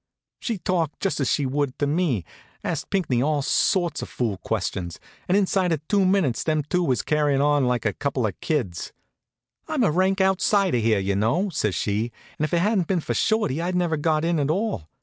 She talked just as she would to me, asked Pinckney all sorts of fool questions, and inside of two minutes them two was carryin' on like a couple of kids. "I'm a rank outsider here, you know," says she, "and if it hadn't been for Shorty I'd never got in at all.